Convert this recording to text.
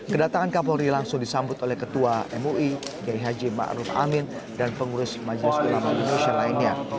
kedatangan kapolri langsung disambut oleh ketua mui jai haji ma'ruf amin dan pengurus majelis ulama indonesia lainnya